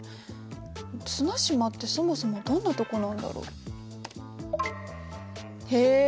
綱島ってそもそもどんなとこなんだろう？へえ。